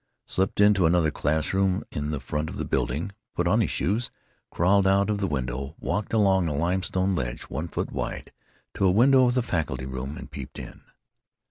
slipped into another class room in the front of the building, put on his shoes, crawled out of the window, walked along a limestone ledge one foot wide to a window of the faculty room, and peeped in.